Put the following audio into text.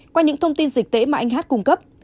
qua những thông tin dịch tễ mà anh hát cung cấp